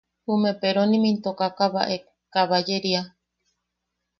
Jume peronim into kakabaek, kabayeria.